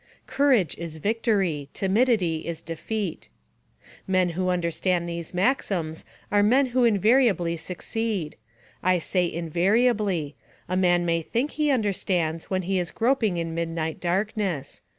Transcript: "Courage is victory, timidity is defeat." Men who understand these maxims are men who invariably succeed. I say invariably a man may think he understands when he is groping in midnight darkness.